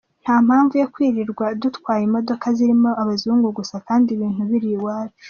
Nta mpamvu yo kwirirwa dutwaye imodoka zirimo abazungu gusa kandi ibintu biri iwacu.